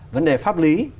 vấn đề pháp lý